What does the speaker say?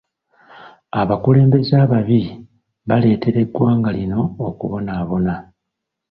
Abakulembeze ababi baleetera eggwanga lino okubonaabona.